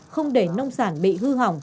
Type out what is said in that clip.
không để nông sản bị hư hỏng